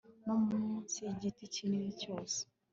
no munsi y igiti kinini cyose